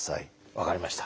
分かりました。